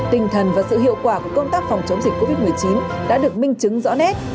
tinh thần và sự hiệu quả của công tác phòng chống dịch covid một mươi chín đã được minh chứng rõ nét